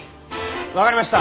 わかりました。